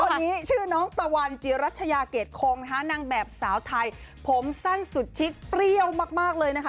ชื่อน้องนี้ชื่อน้องตาวานจีรัชยาเกดคงนางแบบสาวไทยผมสั้นสุดชิคเปรี้ยวมากเลยนะคะ